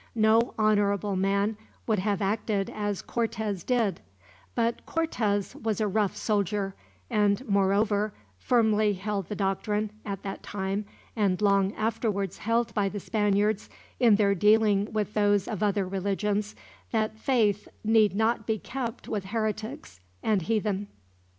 No honorable man would have acted as Cortez did; but Cortez was a rough soldier, and moreover, firmly held the doctrine, at that time and long afterwards held by the Spaniards in their dealing with those of other religions, that faith need not be kept with heretics and heathen.